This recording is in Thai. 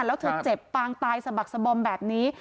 แล้วเธอเจ็บปางตายสะบักสบอมแบบนี้